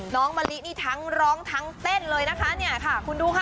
น้องมะลินี้ทั้งร้องทั้งเต้นเลยนะคะคุณดูค่ะ